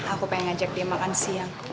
aku pengen ngajak dia makan siang